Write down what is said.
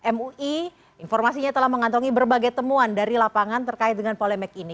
mui informasinya telah mengantongi berbagai temuan dari lapangan terkait dengan polemik ini